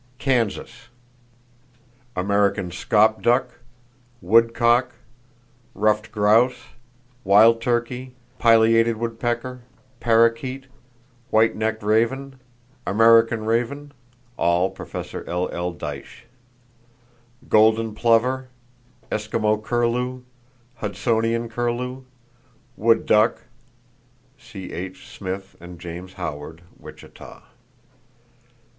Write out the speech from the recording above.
Kansas: American scaup duck, woodcock, ruffed grouse, wild turkey, pileated woodpecker, parrakeet, white necked raven, American raven (all Prof. L.L. Dyche); golden plover, Eskimo curlew, Hudsonian curlew, wood duck (C.H. Smyth and James Howard, Wichita).